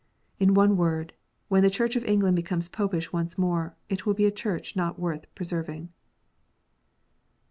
In one word, when the Church of England becomes Popish once more, it will be a Church not worth preserving.